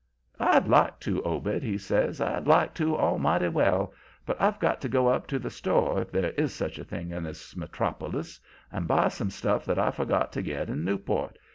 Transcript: "'I'd like to, Obed,' he says; 'I'd like to almighty well, but I've got to go up to the store, if there is such a thing in this metropolus, and buy some stuff that I forgot to get in Newport.